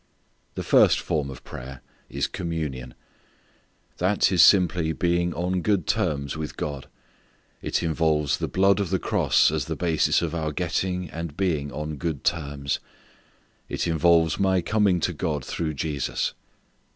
The first form of prayer is communion. That is simply being on good terms with God. It involves the blood of the cross as the basis of our getting and being on good terms. It involves my coming to God through Jesus.